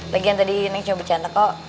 lagi yang tadi neng cuma bercanda kok